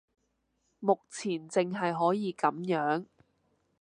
目前淨係可以噉樣